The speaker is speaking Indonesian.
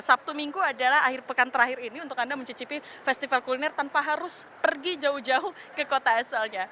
sabtu minggu adalah akhir pekan terakhir ini untuk anda mencicipi festival kuliner tanpa harus pergi jauh jauh ke kota asalnya